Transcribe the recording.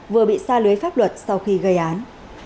vừa bị xa lưới pháp luật sau khi gây án